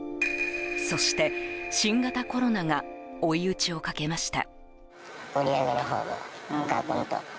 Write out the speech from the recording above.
そして、新型コロナが追い打ちをかけました。